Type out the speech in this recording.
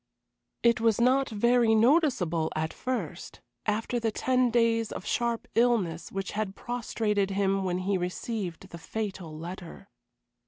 It was not very noticeable at first, after the ten days of sharp illness which had prostrated him when he received the fatal letter.